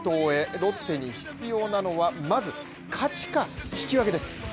ロッテに必要なのはまず勝ちか引き分けです。